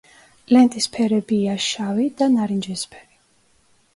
ლენტის ფერებია შავი და ნარინჯისფერი.